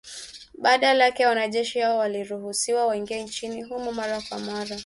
Badala yake wanajeshi hao waliruhusiwa waingie nchini humo mara kwa mara.